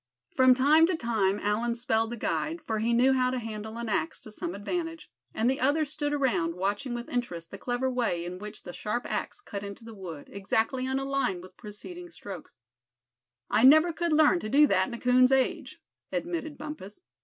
From time to time Allan "spelled" the guide, for he knew how to handle an axe to some advantage. And the others stood around, watching with interest the clever way in which the sharp axe cut into the wood, exactly on a line with preceding strokes. "I could never learn to do that in a coon's age," admitted Bumpus.